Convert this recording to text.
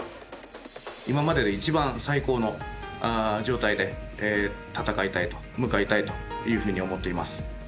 今までで一番最高の状態で戦いたいと、向かいたいというふうに思っています。